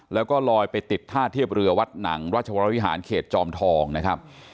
แล้วก็ลอยไปติดท่าเทียบเรือวัดหนังราชวรวิหารเขตจอมทองนะครับ